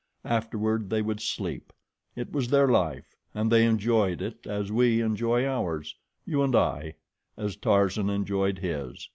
Afterward they would sleep it was their life, and they enjoyed it as we enjoy ours, you and I as Tarzan enjoyed his.